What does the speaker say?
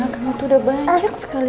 waktu udah banyak sekali